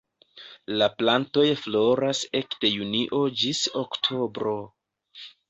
La plantoj floras ekde junio ĝis oktobro.